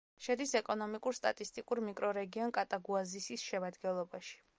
შედის ეკონომიკურ-სტატისტიკურ მიკრორეგიონ კატაგუაზისის შემადგენლობაში.